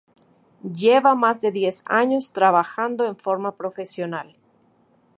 Lleva más de diez años trabajando en forma profesional.